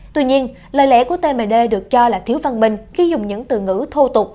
tuy nhiên lời lẽ của tmd được cho là thiếu văn bình khi dùng những từ ngữ thô tục